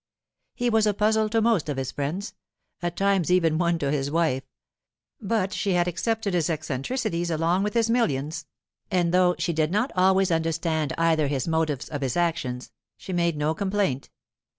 He was a puzzle to most of his friends; at times even one to his wife; but she had accepted his eccentricities along with his millions, and though she did not always understand either his motives of his actions, she made no complaint.